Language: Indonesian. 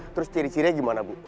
terus ciri cirinya gimana bu